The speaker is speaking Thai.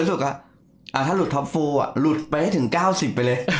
รู้สึกว่าอ่าถ้าหลุดท็อปฟูลอ่ะหลุดไปให้ถึงเก้าสิบไปเลย